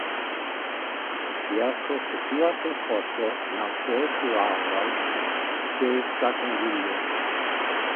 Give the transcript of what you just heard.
La kirko situas en korto laŭ trotuaroj de stratangulo.